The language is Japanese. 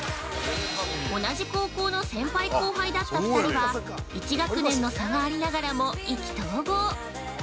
同じ高校の先輩後輩だった２人は１学年の差がありながらも意気投合。